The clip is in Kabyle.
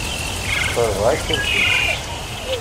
Sxeṛbeɣ-ak iḍes-ik.